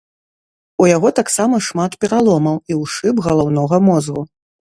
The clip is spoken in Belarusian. У яго таксама шмат пераломаў і ўшыб галаўнога мозгу.